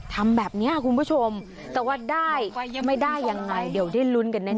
ทำแบบนี้คุณผู้ชมแต่ว่าได้ไม่ได้ยังไงเดี๋ยวได้ลุ้นกันแน่